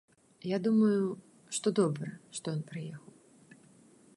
Я думаю, што добра, што ён прыехаў.